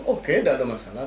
oke tidak ada masalah